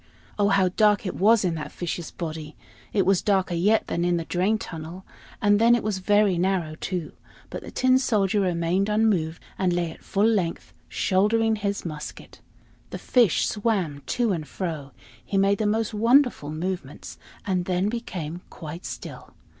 Oh, how dark it was in that fish's body! It was darker yet than in the drain tunnel; and then it was very narrow too. But the Tin Soldier remained unmoved, and lay at full length shouldering his musket. The fish swam to and fro; he made the most wonderful movements, and then became quite still.